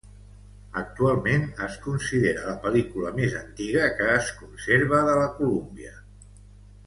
Actualment es considera la pel·lícula més antiga que es conserva de la Columbia.